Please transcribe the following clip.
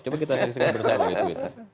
coba kita seng seng bersama gitu